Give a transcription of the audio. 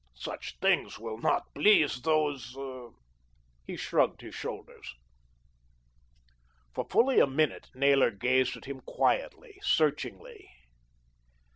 Such things will not please those " He shrugged his shoulders. For fully a minute Naylor gazed at him quietly, searchingly.